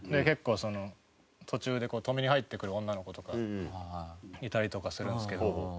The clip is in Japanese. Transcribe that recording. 結構その途中で止めに入ってくる女の子とかいたりとかするんですけど。